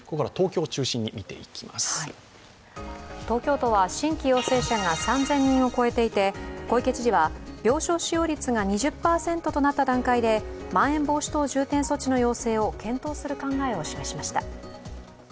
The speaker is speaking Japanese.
東京都は新規陽性者が３０００人を超えていて、小池知事は、病床使用率が２０％となった段階でまん延防止等重点措置の要請を検討する考えを示しました。